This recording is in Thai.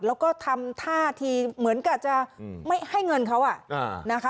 แล้วก็ทำท่าทีเหมือนกับจะไม่ให้เงินเขาอ่ะนะคะ